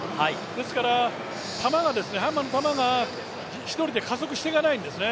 ですから、ハンマーの球が一人で加速していかないんですね。